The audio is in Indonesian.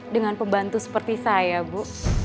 dengan pembantu seperti saya bu